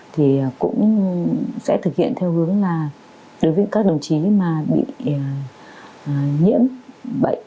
thì cũng sẽ thực hiện theo hướng là đối với các đồng chí mà bị nhiễm bệnh